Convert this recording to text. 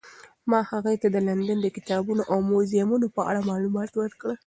ما هغې ته د لندن د کتابتونونو او موزیمونو په اړه معلومات ورکړل.